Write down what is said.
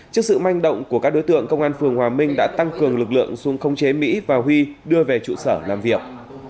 trước sự manh động của các đối tượng công an phường hòa minh đã tăng cường lực lượng xuống không chế mỹ và huy đưa về trụ sở làm việc